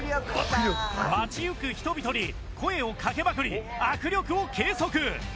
街行く人々に声をかけまくり握力を計測。